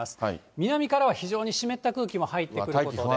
南からは非常に湿った空気も入ってくるので。